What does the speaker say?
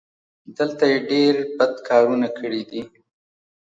دلته یې ډېر بد کارونه کړي دي.